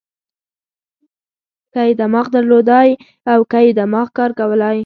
که یې دماغ درلودای او که یې دماغ کار کولای.